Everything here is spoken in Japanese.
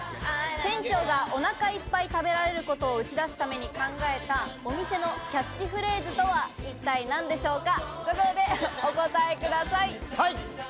店長がおなかいっぱい食べられることを打ち出すために考えた、お店のキャッチフレーズとは一体何でしょうか。